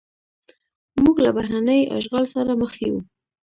موږ له بهرني اشغال سره مخ یو.